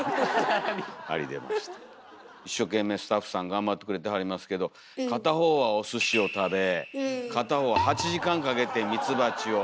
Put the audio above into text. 一生懸命スタッフさん頑張ってくれてはりますけど片方はお寿司を食べ片方は８時間かけてミツバチを。